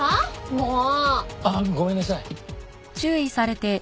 もう！あっごめんなさい。